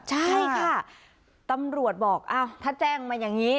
ใช่ค่ะตำรวจบอกถ้าแจ้งมาอย่างนี้